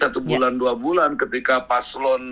satu bulan dua bulan ketika paslon